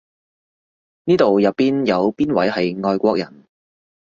呢度入邊有邊位係外國人？